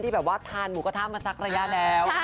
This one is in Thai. ที่ทานหมูกระทะมาจากระยะแล้ว